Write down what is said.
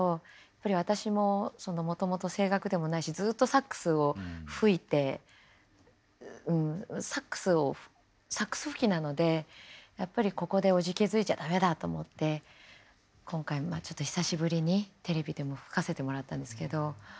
やっぱり私ももともと声楽でもないしずっとサックスを吹いてサックスをサックス吹きなのでやっぱりここでおじけづいちゃ駄目だと思って今回まあちょっと久しぶりにテレビでも吹かせてもらったんですけど。